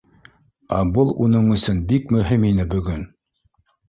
Ә был үның өсөн бик мөһим ине бөгөн